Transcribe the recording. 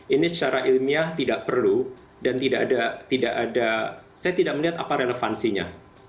ini secara ilmiah tidak perlu dan tidak ada saya tidak melihat apa relevansinya